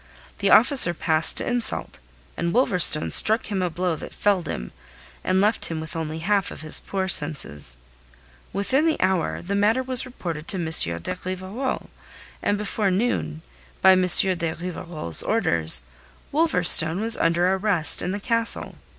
The officer passed to insult, and Wolverstone struck him a blow that felled him, and left him only the half of his poor senses. Within the hour the matter was reported to M. de Rivarol, and before noon, by M. de Rivarol's orders, Wolverstone was under arrest in the castle.